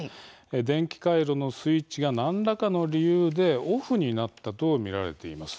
電気回路のスイッチが何らかの理由でオフになったと見られています。